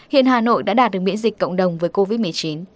hiện hà nội đã đạt được miễn dịch cộng đồng với covid một mươi chín